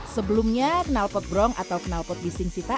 sebelumnya nalpotbrong atau kenalpot bising